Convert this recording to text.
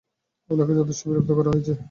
আপনাকে যথেষ্ট বিরক্ত করা হয়েছে।